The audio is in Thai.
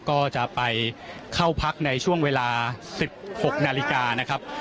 ก็จะไปเข้าพักในช่วงเวลา๑๖นาฬิกานะครับ